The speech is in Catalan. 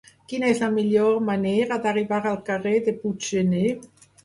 Quina és la millor manera d'arribar al carrer de Puiggener?